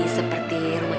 ibu punya istrisherein